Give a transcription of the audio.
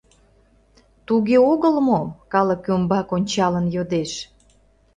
Туге огыл мо? — калык ӱмбак ончалын йодеш.